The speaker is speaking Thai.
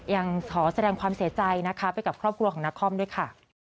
ยังขอแสดงความเสียใจนะคะไปกับครอบครัวของนักคอมด้วยค่ะ